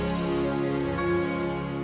selamat pagi bu sanas